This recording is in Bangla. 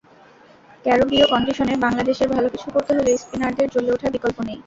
ক্যারবীয় কন্ডিশনে বাংলাদেশের ভালো কিছু করতে হলে স্পিনারদের জ্বলে ওঠার বিকল্প নেই।